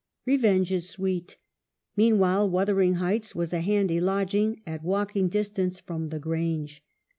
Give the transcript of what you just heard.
Revenge is sweet. Mean while, Wuthering Heights was a handy lodging, at walking distance from the Grange.